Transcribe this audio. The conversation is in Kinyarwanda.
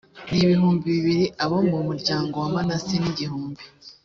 ni ibihumbi bibiri abo mu muryango wa manase ni igihumbi